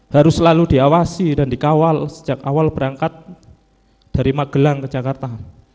harus selalu diawasi dan dikawal sejak awal berangkat dari magelang ke jakarta